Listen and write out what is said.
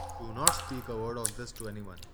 Do not speak a word of this to any one.